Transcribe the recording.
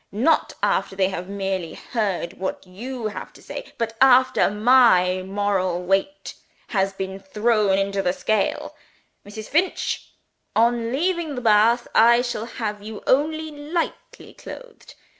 Not after they have merely heard what you have to say, but after My Moral Weight has been thrown into the scale. Mrs. Finch! on leaving the bath, I shall have you only lightly clothed.